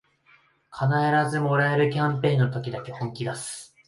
必ずもらえるキャンペーンの時だけ本気だす